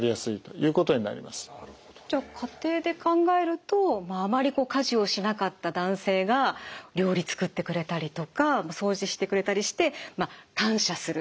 じゃあ家庭で考えるとあまりこう家事をしなかった男性が料理作ってくれたりとか掃除してくれたりしてまあ感謝する。